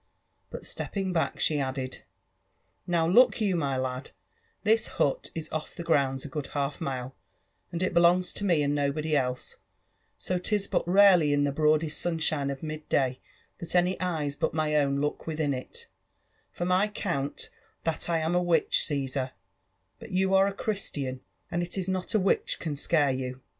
But •tepping back, she added, " Now look you, my lad, this hut is off the grounds a good half mile, and it belongs to me and nobody else, so 'tis but rarely in the broadest sunshine of mid day tliat any eyes but my ' 4>wn look within it: for many count that I am a witch, Caesar; bat you are a Christian, apd it is not a witch can scare you.